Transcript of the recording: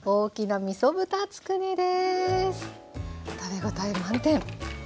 食べ応え満点！